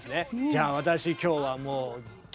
じゃあ私今日はもうよっ！